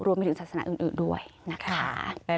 รวมไปถึงศาสนาอื่นด้วยนะคะ